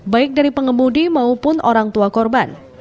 baik dari pengemudi maupun orang tua korban